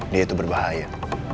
dia itu berbahaya